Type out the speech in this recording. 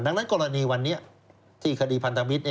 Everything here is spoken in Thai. ดังนั้นกรณีวันนี้ที่คดีพันธมิตร